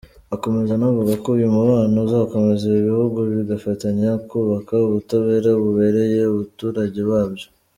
Akomeza anavuga ko uyu mubano uzakomeza, ibi bihugu bigafatanya kubaka ubutabera bubereye abaturage babyo.